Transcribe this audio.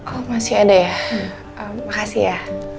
oh masih ada ya makasih ya